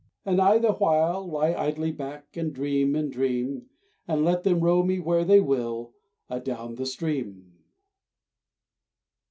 And I the while lie idly back, And dream, and dream, And let them row me where they will Adown the stream.